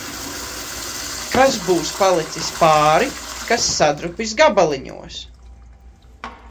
Kas būs palicis pāri, kas sadrupis gabaliņos.